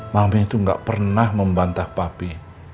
mami itu gak pernah membantah papi